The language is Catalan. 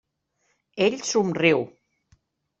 Ell somriu.